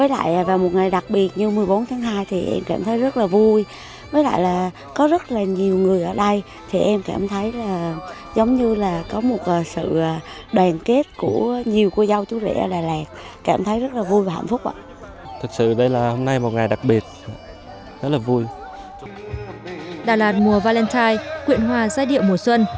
đà lạt mùa valentine quyện hòa giai điệu mùa xuân